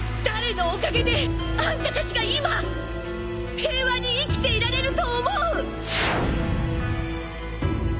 誰のおかげであんたたちが今平和に生きていられると思う！？